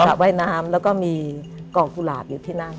ว่ายน้ำแล้วก็มีกองกุหลาบอยู่ที่นั่น